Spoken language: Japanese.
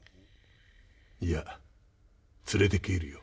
いや連れて帰るよ。